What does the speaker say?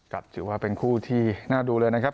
กลับจึงว่าเป็นคู่ที่น่าดูเลยนะครับ